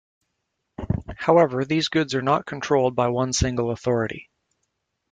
However, these goods are not controlled by one single authority.